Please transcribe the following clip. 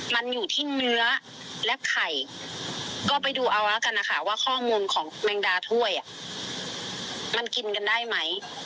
ว่าข้อมูลของแมงดาถ้วยมันกินกันได้ไหม